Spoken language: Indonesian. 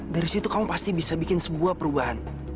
dari situ kamu pasti bisa bikin sebuah perubahan